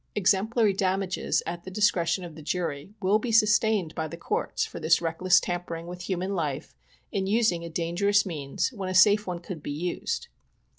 Exemplary damages, "at the discretion of the jury," will be sustained by the courts for this reckless tampering with human life in using a dangerous means when a safe one ‚ñÝcould be used.